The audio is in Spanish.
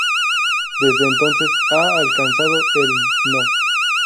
Desde entonces ha alcanzado el No.